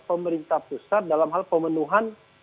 pemerintah pusat dalam hal pemenuhan